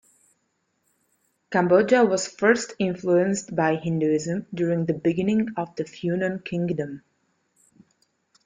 Cambodia was first influenced by Hinduism during the beginning of the Funan kingdom.